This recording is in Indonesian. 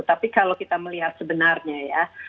tapi kalau kita melihat sebenarnya ya